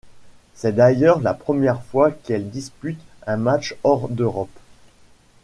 C'est d'ailleurs la première fois qu'elle dispute un match hors d'Europe.